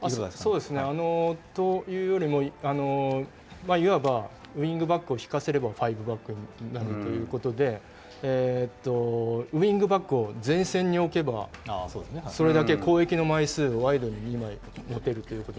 というよりも、いわばウイングバックを引かせれば５バックになるということで、ウイングバックを前線に置けばそれだけ攻撃の枚数をワイドに２枚持てるということ。